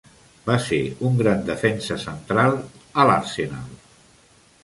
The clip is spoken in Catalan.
Va ser un gran defensa central a l'Arsenal.